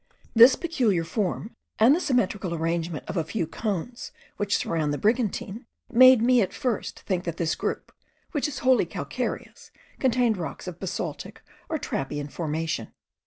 This peculiar form, and the symmetrical arrangement of a few cones which surround the Brigantine, made me at first think that this group, which is wholly calcareous, contained rocks of basaltic or trappean formation.